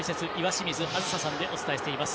清水梓さんでお伝えしています。